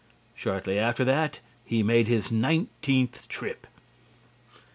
Shortly after that he made his nineteenth trip.